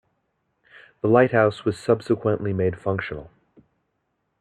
The lighthouse was subsequently made functional.